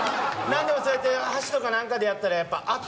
何でもそうやって箸とか何かでやったらやっぱははははっ。